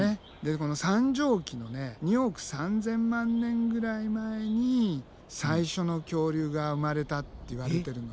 この三畳紀の２億３，０００万年ぐらい前に最初の恐竜が生まれたっていわれてるのね。